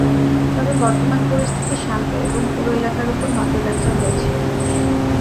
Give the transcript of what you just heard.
তবে বর্তমানে পরিস্থিতি শান্ত এবং পুরো এলাকার ওপর নজর রাখা হয়েছে।